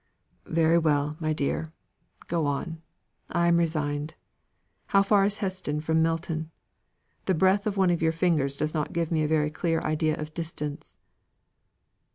"Very well, my dear. Go on. I am resigned. How far is Heston from Milton? The breadth of one of your fingers does not give me a very clear idea of distance."